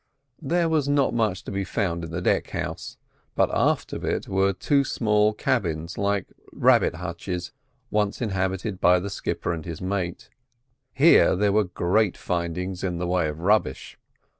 There was not much to be found in the deck house, but aft of it were two small cabins like rabbit hutches, once inhabited by the skipper and his mate. Here there were great findings in the way of rubbish.